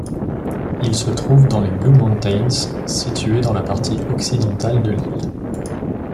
Il se trouve dans les Blue Mountains, situées dans la partie occidentale de l'île.